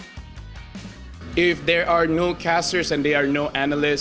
jika tidak ada caster dan tidak ada analis